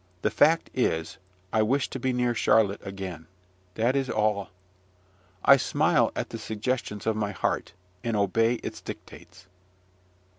The fact is, I wish to be near Charlotte again, that is all. I smile at the suggestions of my heart, and obey its dictates.